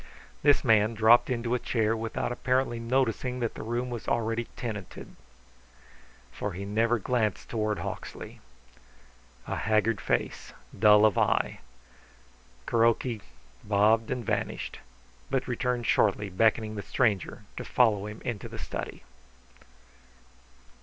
This man dropped into a chair without apparently noticing that the room was already tenanted, for he never glanced toward Hawksley. A haggard face, dull of eye. Kuroki bobbed and vanished, but returned shortly, beckoning the stranger to follow him into the study.